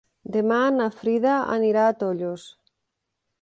Demà na Frida anirà a Tollos.